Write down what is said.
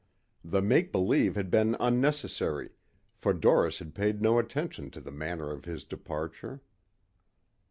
The make believe had been unnecessary for Doris had paid no attention to the manner of his departure.